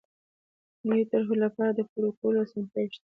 د نويو طرحو لپاره د پور ورکولو اسانتیاوې شته.